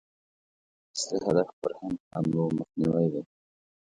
اصلي هدف پر هند حملو مخنیوی دی.